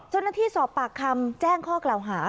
จนที่สอบปากคำแจ้งข้อกล่าวหา